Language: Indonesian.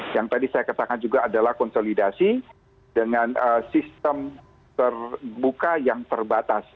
yang tadi saya katakan juga adalah konsolidasi dengan sistem terbuka yang terbatas